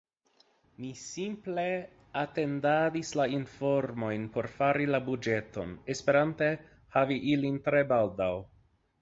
Mi simple atendadis la informojn por fari la buĝeton, esperante havi ilin tre baldaŭ.